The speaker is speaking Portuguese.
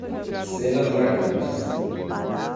Cenas marcantes.